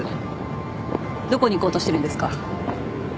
どこに行こうとしてるんですか？